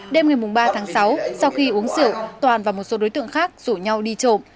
đêm ngày ba tháng sáu sau khi uống rượu toàn và một số đối tượng khác rủ nhau đi trộm